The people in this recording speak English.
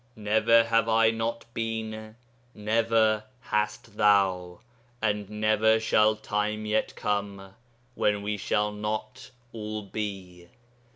'Never have I not been, never hast thou, and never shall time yet come when we shall not all be.